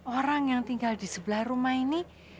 orang yang tinggal di sebelah rumah ini